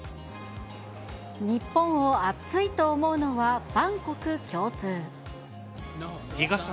日本を暑いと思うのは万国共日傘。